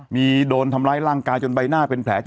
มีโดนทำร้ายร่างกายจนใบหน้าเป็นแผล